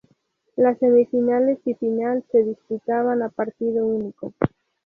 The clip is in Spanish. Las semifinales y final se disputaban a partido único.